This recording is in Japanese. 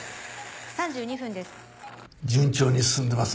３２分です。